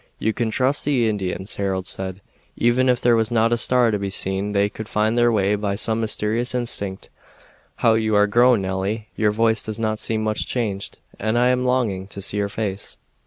"You can trust the Indians," Harold said. "Even if there was not a star to be seen they could find their way by some mysterious instinct. How you are grown, Nelly! Your voice does not seem much changed, and I am longing to see your face."